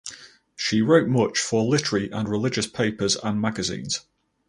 She wrote much for literary and religious papers and magazines.